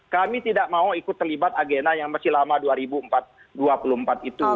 kami tidak mau ikut terlibat agenda yang masih lama dua ribu dua puluh empat itu